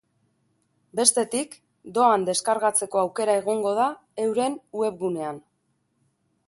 Bestetik, doan deskargatzeko aukera egongo da euren webgunean.